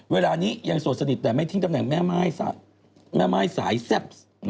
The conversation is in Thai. เวลานี้ยังโสดสนิทแต่ไม่ทิ้งตำแหน่งแม่ม่ายสายแซ่บ